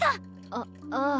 あああ。